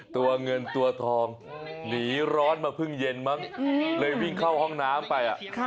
ตัวเงินตัวทองหนีร้อนมาเพิ่งเย็นมั้งเลยวิ่งเข้าห้องน้ำไป